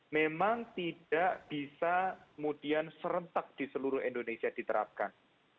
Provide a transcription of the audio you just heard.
memang tidak bisa kemudian serentak di seluruh indonesia diterapkan